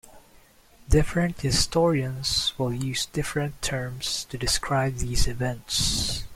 Different historians will use different terms to describe these events.